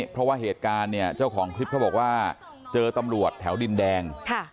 เพราะว่าเหตุการณ์เนี่ยเจ้าของคลิปเขาบอกว่าเจอตำรวจแถวดินแดง